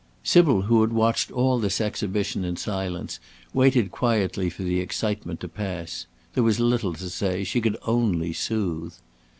Sybil, who had watched all this exhibition in silence, waited quietly for the excitement to pass. There was little to say. She could only soothe.